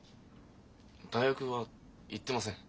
大学は行ってません。